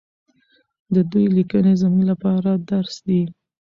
د دوی لیکنې زموږ لپاره درس دی.